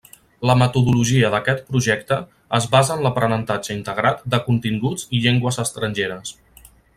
La metodologia d'aquest projecte es basa en l'aprenentatge integrat de continguts i llengües estrangeres.